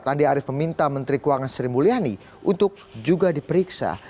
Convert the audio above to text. andi arief meminta menteri keuangan sri mulyani untuk juga diperiksa